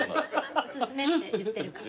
お薦めって言ってるから。